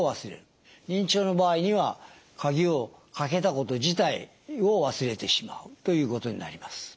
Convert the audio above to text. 認知症の場合には鍵をかけたこと自体を忘れてしまうということになります。